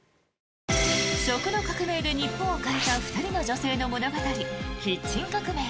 食の革命で日本を変えた２人の女性の物語「キッチン革命」。